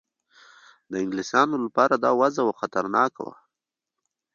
د انګلیسیانو لپاره دا وضع خطرناکه وه.